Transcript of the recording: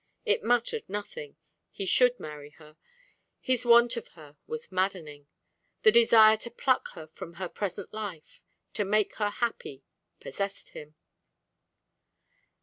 It mattered nothing; he should marry her. His want of her was maddening. The desire to pluck her from her present life, to make her happy, possessed him.